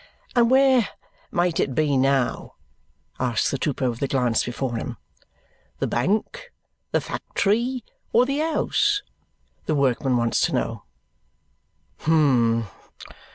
"And where might it be now?" asks the trooper with a glance before him. "The bank, the factory, or the house?" the workman wants to know. "Hum!